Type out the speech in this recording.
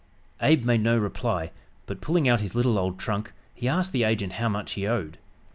Abe made no reply, but, pulling out his little old trunk, he asked the agent how much he owed.